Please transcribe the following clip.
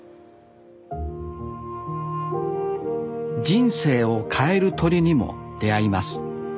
人生を変える鳥にも出会います。